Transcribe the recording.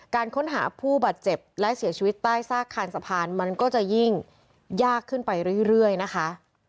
การค้นหาผู้บาดเจ็บและเสียชีวิตใต้ซากคานสะพานมันก็จะยิ่งยากขึ้นไปเรื่อยนะคะ